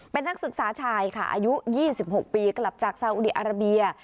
เป็นนักศึกษาชายค่ะอายุ๒๖ปีกลับจากซาอุดีอาราเบีย